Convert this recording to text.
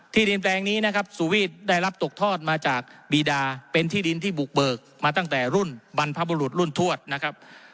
ดินแปลงนี้นะครับสุวีทได้รับตกทอดมาจากบีดาเป็นที่ดินที่บุกเบิกมาตั้งแต่รุ่นบรรพบุรุษรุ่นทวดนะครับ